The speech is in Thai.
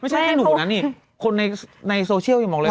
ไม่ใช่แค่หนูนะนี่คนในโซเชียลยังบอกเลย